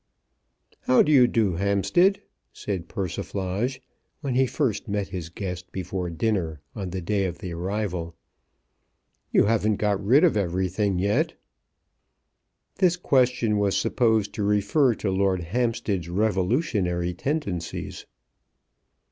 "How do you do, Hampstead," said Persiflage when he first met his guest before dinner on the day of the arrival. "You haven't got rid of everything yet?" This question was supposed to refer to Lord Hampstead's revolutionary tendencies.